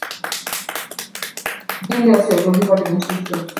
Eisenhower initially saw the deal as favorable, but eventually came to see otherwise.